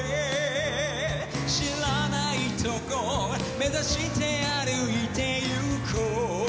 「知らないとこ目指して歩いて行こう」